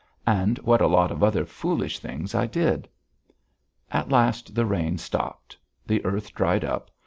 And what a lot of other foolish things I did! At last the rain stopped. The earth dried up.